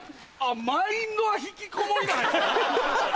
マインドは引きこもりなんやな。